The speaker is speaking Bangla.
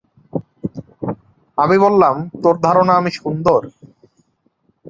আমি বললাম, তোর ধারণা আমি সুন্দর?